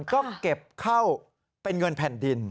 ต้องเก็บเข้าเป็นเงินแผ่นดิน